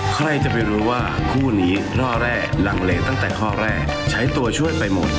ใครจะไปรู้ว่าคู่นี้ร่อแร่ลังเลตั้งแต่ข้อแรกใช้ตัวช่วยไปหมด